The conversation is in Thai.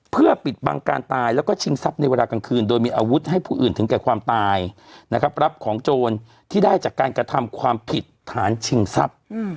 เพื่อปิดบังการตายแล้วก็ชิงทรัพย์ในเวลากลางคืนโดยมีอาวุธให้ผู้อื่นถึงแก่ความตายนะครับรับของโจรที่ได้จากการกระทำความผิดฐานชิงทรัพย์